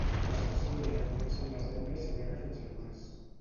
L'estació humida comença al desembre i s'allarga fins al març.